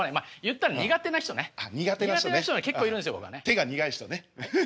手が苦い人ね。